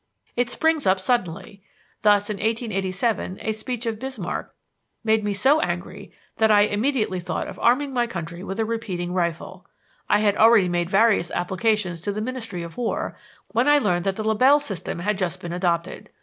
It springs up suddenly. Thus, in 1887, a speech of Bismarck made me so angry that I immediately thought of arming my country with a repeating rifle. I had already made various applications to the ministry of war, when I learned that the Lebel system had just been adopted.